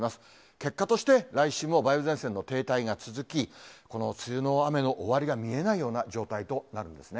結果として、来週も梅雨前線の停滞が続き、この梅雨の雨の終わりが見えないような状態となるんですね。